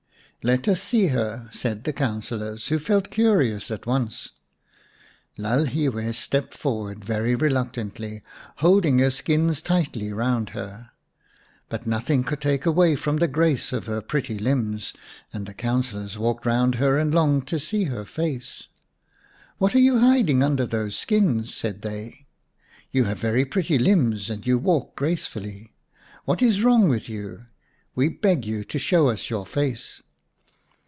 " Let us see her," said the councillors, who felt curious at once. Lalhiwe stepped forward very reluctantly, holding her skins tightly round her. But nothing could take away from the grace of her pretty limbs, and the councillors walked round her and longed to see her face. " What are you hiding under those skins ?" said they. " You have very pretty limbs and you walk gracefully. What is wrong with you ? We beg you to show us your face."